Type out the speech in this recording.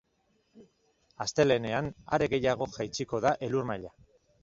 Astelehenean, are gehiago jaitsiko da elur-maila.